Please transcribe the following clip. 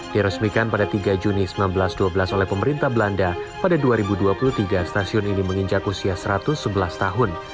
diresmikan pada tiga juni seribu sembilan ratus dua belas oleh pemerintah belanda pada dua ribu dua puluh tiga stasiun ini menginjak usia satu ratus sebelas tahun